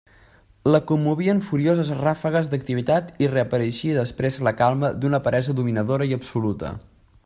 La commovien furioses ràfegues d'activitat i reapareixia després la calma d'una peresa dominadora i absoluta.